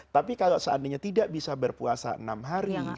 tapi kalau seandainya tidak bisa berpuasa enam hari